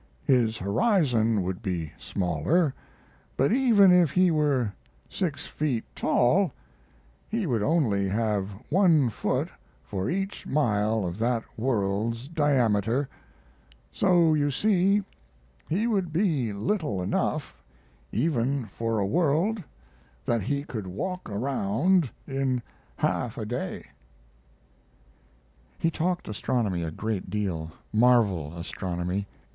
His horizon would be smaller, but even if he were six feet tall he would only have one foot for each mile of that world's diameter, so you see he would be little enough, even for a world that he could walk around in half a day." He talked astronomy a great deal marvel astronomy.